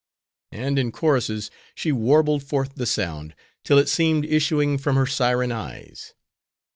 and in choruses, she warbled forth the sound, till it seemed issuing from her syren eyes.